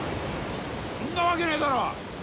そそんなわけねえだろ！